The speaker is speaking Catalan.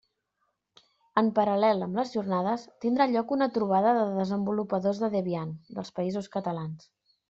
En paral·lel amb les Jornades tindrà lloc una trobada de desenvolupadors de Debian dels Països Catalans.